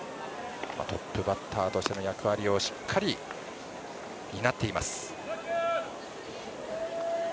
トップバッターとしての役割をしっかり担っています。